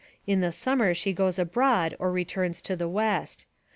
In the summer she goes abroad or returns to the West.